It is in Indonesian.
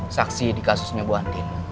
saksi di kasus nyobohan din